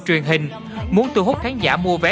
truyền hình muốn thu hút khán giả mua vé